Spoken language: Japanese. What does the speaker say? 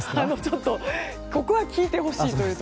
ここは聞いてほしいと思って。